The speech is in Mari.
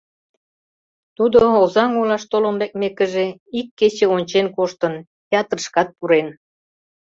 Тудо, Озаҥ олаш толын лекмекыже, ик кече ончен коштын, театрышкат пурен.